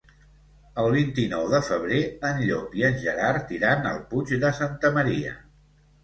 El vint-i-nou de febrer en Llop i en Gerard iran al Puig de Santa Maria.